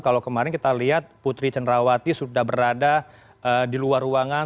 kalau kemarin kita lihat putri cenrawati sudah berada di luar ruangan